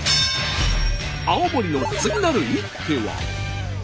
青森の次なる一手は。